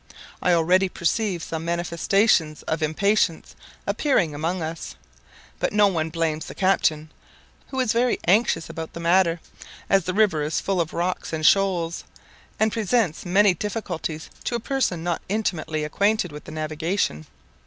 I already perceive some manifestations of impatience appearing among us, but no one blames the captain, who is very anxious about the matter; as the river is full of rocks and shoals, and presents many difficulties to a person not intimately acquainted with the navigation.